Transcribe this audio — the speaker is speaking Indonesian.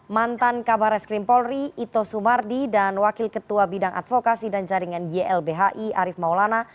mantan kabar reskrim polri ito sumardi dan wakil ketua bidang advokasi dan jaringan ylbhi arief maulana